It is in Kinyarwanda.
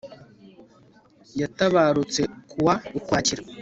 yatabarutse ku wa ukwakira